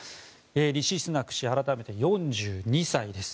リシ・スナク氏改めて、４２歳です。